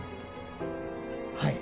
はい。